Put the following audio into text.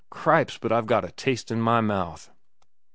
Cripes, but I've got a taste in my mouth!"